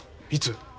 いつ？